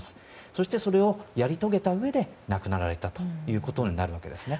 そして、それをやり遂げたうえで亡くなられたということになるわけですね。